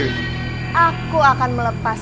biar semua orang members